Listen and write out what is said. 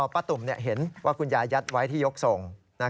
ตุ่มเห็นว่าคุณยายยัดไว้ที่ยกทรง